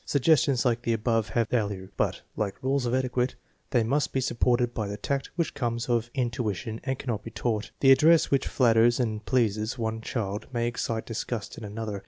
Suggestions like the above have their value, but, like rules of etiquette, they must be supported by the tact which comes of intui tion and cannot be taught. The address which flatters and pleases one child may excite disgust in another.